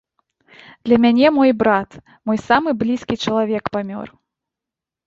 Для мяне мой брат, мой самы блізкі чалавек памёр.